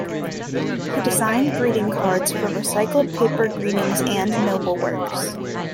He designed greeting cards for Recycled Paper Greetings and Nobleworks.